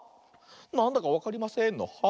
「なんだかわかりません」の「はあ？」。